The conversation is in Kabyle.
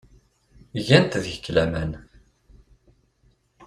Gant deg-k laman.